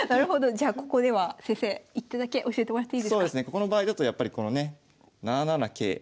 ここの場合だとやっぱりこのね７七桂